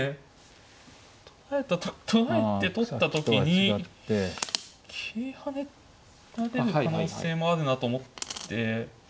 取られて取った時に桂跳ねられる可能性もあるなと思って。